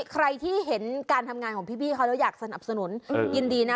ใครที่เห็นการทำงานของพี่บี้เขาแล้วอยากสนับสนุนยินดีนะ